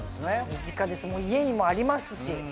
身近です家にもありますし。